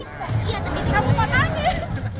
kamu mau nangis